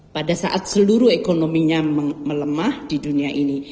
pada saat seluruh ekonominya melemah di dunia ini